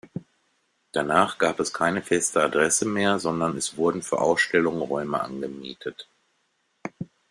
Danach gab es keine feste Adresse mehr, sondern es wurden für Ausstellungen Räume angemietet.